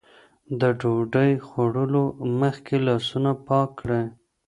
د ډوډۍ خوړلو مخکې لاسونه پاک کړئ.